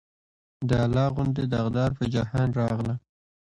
د الله غوندې داغدار پۀ جهان راغلم